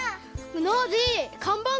ノージーかんばん